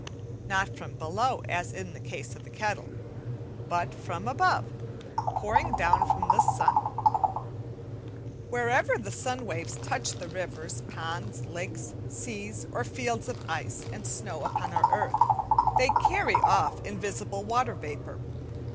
Not from below, as in the case of the kettle, but from above, pouring down from the sun. Wherever the sun waves touch the rivers, ponds, lakes, seas, or fields of ice and snow upon our earth, they carry off invisible water vapour.